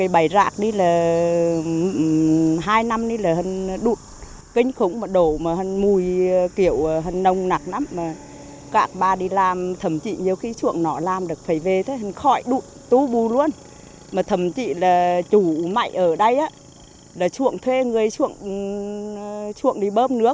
bãi rác thải này là địa điểm tập kết rác chính của người dân xã quỳnh thanh